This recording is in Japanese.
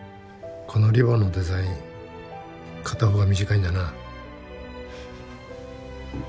このリボンのデザイン片方が短いんだな